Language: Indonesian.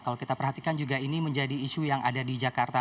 kalau kita perhatikan juga ini menjadi isu yang ada di jakarta